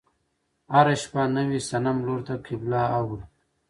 هره شپه نوي صنم لور ته قبله اوړي.